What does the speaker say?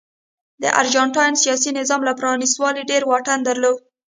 د ارجنټاین سیاسي نظام له پرانیستوالي ډېر واټن درلود.